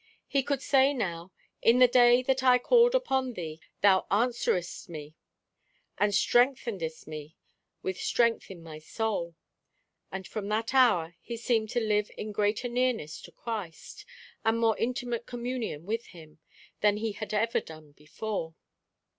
He could say now, "In the day that I called upon thee thou answeredst me and strengthenedst me with strength in my soul." And from that hour he seemed to live in greater nearness to Christ, and more intimate communion with him, than he had ever done before.